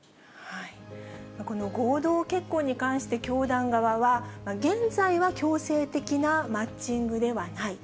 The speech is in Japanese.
この合同結婚に関して、教団側は、現在は強制的なマッチングではない。